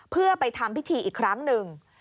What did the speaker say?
เพื่อไปทำพิธีอีกครั้งหนึ่ง